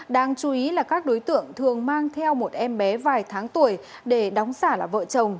đáng chú ý là các đối tượng thường mang theo một em bé vài tháng tuổi để đóng giả là vợ chồng